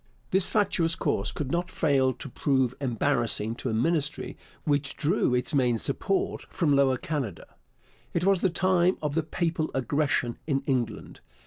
This fatuous course could not fail to prove embarrassing to a Ministry which drew its main support from Lower Canada. It was the time of the 'Papal Aggression' in England.